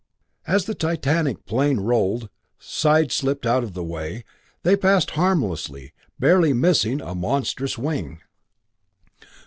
As the titanic plane rolled, side slipped out of the way, they passed, harmlessly, barely missing a monstrous wing.